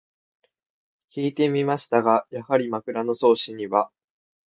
きいてみましたが、やはり「枕草子」には